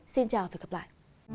xin chào và hẹn gặp lại